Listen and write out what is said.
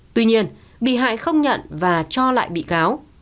tuy nhiên bị hại không nhận và cho lại bị cáo